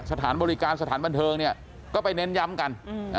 สถานบริการสถานบันเทิงเนี่ยก็ไปเน้นย้ำกัน